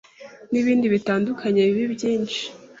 n’ibindi bitandukanye bibi byinshi